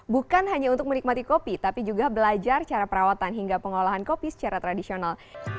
bukan hanya untuk menikmati kopi tapi juga belajar cara perawatan hingga pengolahan kopi secara tradisional